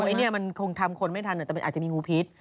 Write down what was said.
อันนี้มันคงทำคนไม่ทันแต่มันอาจจะมีงูพิษ